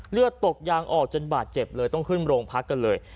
เลือดตกยางออกจนบาดเจ็บเลยต้องขึ้นโรงพักกันเลย